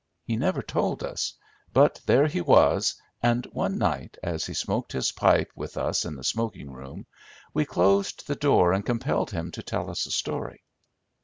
He never told us; but there he was, and one night, as he smoked his pipe with us in the smoking room, we closed the door, and compelled him to tell us a story.